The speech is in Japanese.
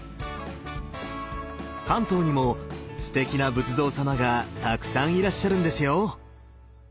関東にもすてきな仏像様がたくさんいらっしゃるんですよ！